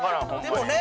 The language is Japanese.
でもね